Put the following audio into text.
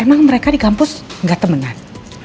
emang mereka di kampus gak temenan